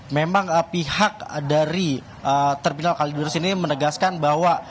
memang pihak dari terminal kalideres ini menegaskan bahwa